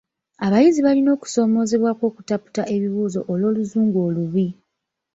Abayizi balina okusoomoozebwa kw'okutaputa ebibuuzo olw'oluzungu olubi.